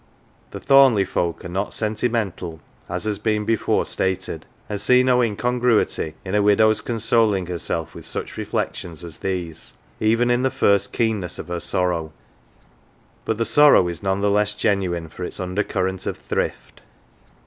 The Thornleigh folk are not sentimental, as has been before stated, and see no incongruity in a widow's 211 HERE AND THERE consoling herself with such reflections as these, even in the first keenness of her sorrow, but the sorrow is none the less genuine for its undercurrent of thrift.